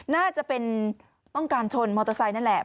น่าจะเป็นต้องการชนมอเตอร์ไซค์นั่นแหละ